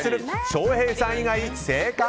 翔平さん以外正解！